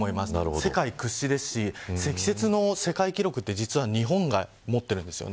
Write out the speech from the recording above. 世界屈指ですし積雪の世界記録って実は日本が持っています。